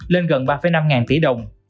lên gần ba năm ngàn triệu đồng